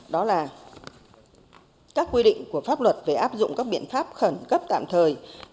đó là các quy định của pháp luật về áp dụng các biện pháp khẩn cấp tạm thời